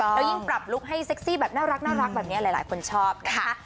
แล้วยิ่งปรับลุคให้เซ็กซี่แบบน่ารักแบบนี้หลายคนชอบนะคะ